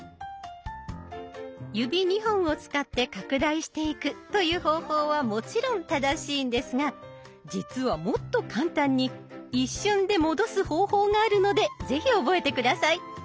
指２本を使って拡大していくという方法はもちろん正しいんですが実はもっと簡単に一瞬で戻す方法があるので是非覚えて下さい。